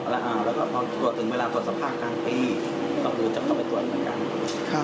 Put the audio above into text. แล้วก็พอถึงเวลาตรวจสอบภาคกลางปีเราก็จะเข้าไปตรวจเหมือนกัน